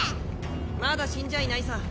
まだ死んじゃいないさ。